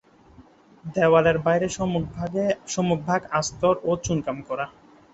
দেওয়ালের বাইরের সম্মুখভাগ আস্তর ও চুনকাম করা।